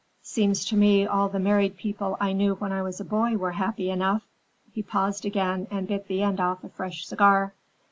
Seems to me all the married people I knew when I was a boy were happy enough." He paused again and bit the end off a fresh cigar.